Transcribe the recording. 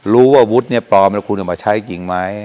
รู้ว่าวุฒินเนี่ยปลอมแล้วคุณมาใช้จริงหรือยงไหม